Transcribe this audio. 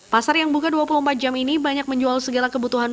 pasar yang buka dua puluh empat jam ini banyak menjual segala kebutuhan